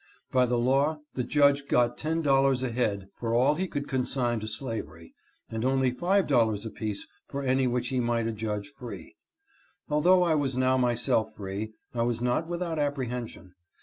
By the law the judge got ten dollars a head for all he could consign to slavery, and only five dollars apiece for any which he might adjudge free. Although I was now myself free, I was not without apprehension.